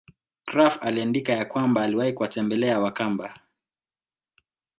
Krapf aliandika ya kwamba aliwahi kuwatembela Wakamba